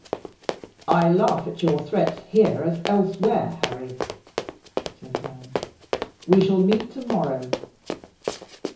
"I laugh at your threats here as elsewhere, Harry," cried Herne. "We shall meet tomorrow."